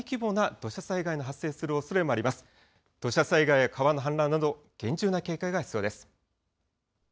土砂災害や川の氾濫など、厳重な警戒が必要です。